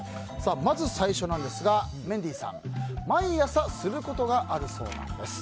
まず最初、メンディーさんは毎朝することがあるそうです。